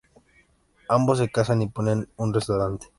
Ambos se casan y ponen un restaurante.